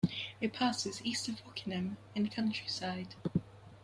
It passes east of Wokingham in countryside.